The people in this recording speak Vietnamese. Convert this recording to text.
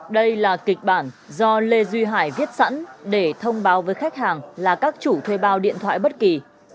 đây là kịch bản do lê duy hải viết sẵn để thông báo với khách hàng là các chủ thuê bao điện thoại bất kỳ